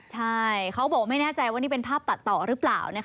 ใช่เขาบอกว่าไม่แน่ใจว่านี่เป็นภาพตัดต่อหรือเปล่า